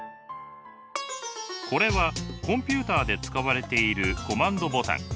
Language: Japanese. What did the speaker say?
これはコンピューターで使われているコマンドボタン。